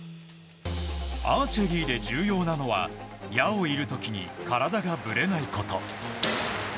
アーチェリーで重要なのは矢を射る時に体がぶれないこと。